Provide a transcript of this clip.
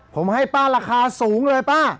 ผมให้ป้าราคาสูงเลยป้า